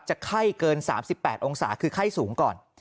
ไข้เกิน๓๘องศาคือไข้สูงก่อน